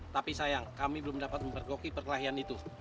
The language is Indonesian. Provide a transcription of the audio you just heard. tapi sayang kami belum dapat mempergoki perkelahian itu